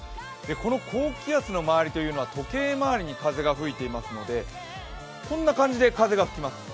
この高気圧の周りというのは時計回りに風が吹いていますのでこんな感じで風が吹きます。